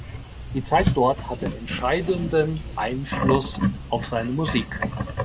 Die Zeit dort hatte entscheidenden Einfluss auf seine Musik.